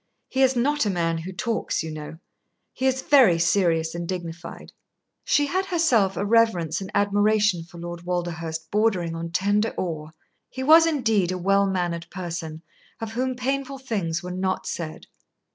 "He is not a man who talks, you know. He is very serious and dignified." She had herself a reverence and admiration for Lord Walderhurst bordering on tender awe. He was indeed a well mannered person, of whom painful things were not said.